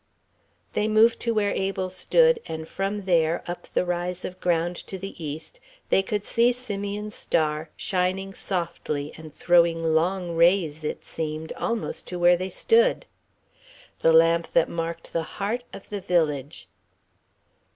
They moved to where Abel stood, and from there, up the rise of ground to the east, they could see Simeon's star, shining softly and throwing long rays, it seemed, almost to where they stood: the lamp that marked the heart of the village.